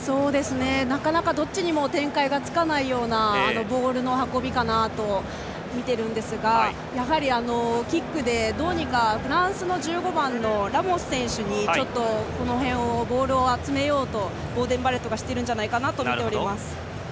なかなかどっちにも展開がつかないようなボールの運びかなと見ているんですがやはりキックでどうにかフランスの１５番のラモス選手にボールを集めようとボーデン・バレットがしているんじゃないかとみています。